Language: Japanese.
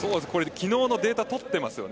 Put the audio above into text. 昨日のデータを取っていますね。